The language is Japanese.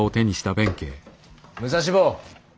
武蔵坊。